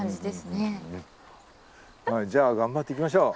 じゃあ頑張って行きましょう。